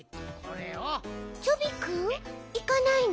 チョビくんいかないの？